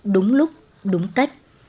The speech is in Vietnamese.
đúng lúc đúng cách